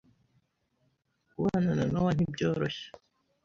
Kubana na Nowa ntibyoroshye.